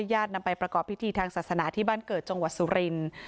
นำไปประกอบพิธีทางศาสนาที่บ้านเกิดจังหวัดสุรินทร์